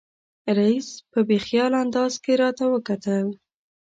رییس په بې خیاله انداز کې راته وکتل.